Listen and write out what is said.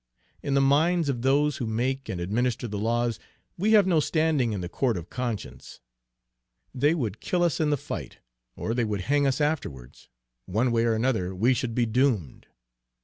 In the minds of those who make and administer the laws, we have no standing in the court of conscience. They would kill us in the fight, or they would hang us afterwards, one way or another, we should be doomed.